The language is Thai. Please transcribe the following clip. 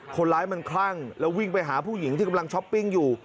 คนร้ายมันคลั่งแล้ววิ่งไปหาผู้หญิงที่กำลังช้อปปิ้งอยู่